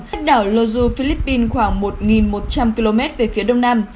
cách đảo lozo philippines khoảng một một trăm linh km về phía đông nam